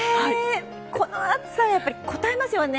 この暑さ、やっぱりこたえますよね。